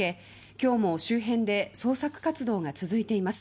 今日も周辺で捜索活動が続いています。